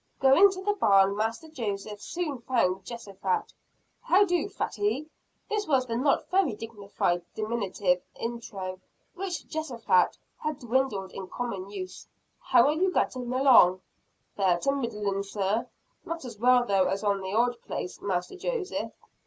Going to the barn, Master Joseph soon found Jehosaphat. "How do, Fatty!" this was the not very dignified diminutive into which Jehosaphat had dwindled in common use. "How are you getting along?" "Fair to middlin, sir. Not as well though as on the old place, Master Joseph."